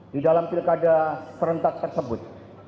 di dalam pilkada serentak tersebut